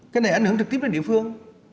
cái này ảnh hưởng trực tiếp đến địa phương